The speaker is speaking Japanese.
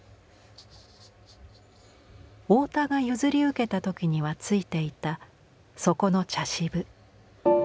太田が譲り受けた時にはついていた底の茶渋。